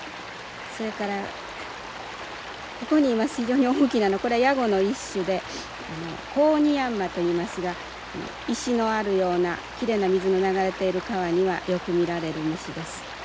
それからここにいます非常に大きなのこれヤゴの一種でコオニヤンマといいますが石のあるようなきれいな水の流れている川にはよく見られる虫です。